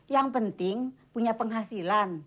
yang penting punya penghasilan